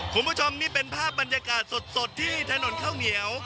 คุณผู้ชมนี่เป็นภาพบรรยากาศสดที่ถนนข้าวเหนียว